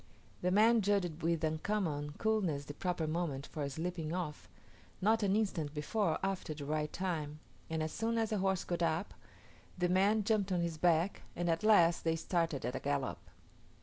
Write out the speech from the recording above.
The man judged with uncommon coolness the proper moment for slipping off, not an instant before or after the right time; and as soon as the horse got up, the man jumped on his back, and at last they started at a gallop.